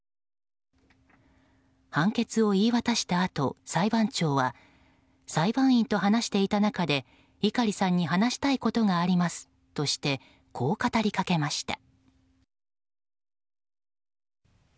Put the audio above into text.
判決を言い渡したあと、裁判長は裁判員と話していた中で碇さんに話したいことがありますとしたうえでこう語りかけました。